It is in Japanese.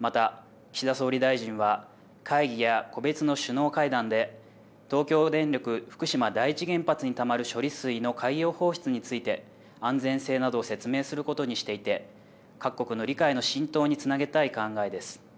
また岸田総理大臣は会議や個別の首脳会談で東京電力福島第一原発にたまる処理水の海洋放出について安全性などを説明することにしていて各国の理解の浸透につなげたい考えです。